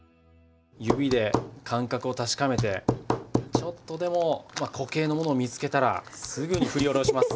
指で感覚を確かめてちょっとでも固形の物を見つけたらすぐに振り下ろします。